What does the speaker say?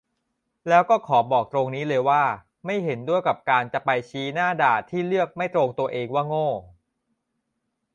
แล้วก็ขอบอกตรงนี้เลยว่า ไม่เห็นด้วยกับการจะไปชี้หน้าด่าที่เลือกไม่ตรงตัวเองว่าโง่